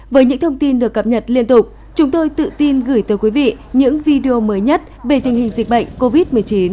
với những thông tin được cập nhật liên tục chúng tôi tự tin gửi tới quý vị những video mới nhất về tình hình dịch bệnh covid một mươi chín